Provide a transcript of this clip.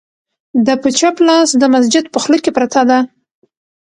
د په چپ لاس د مسجد په خوله کې پرته ده،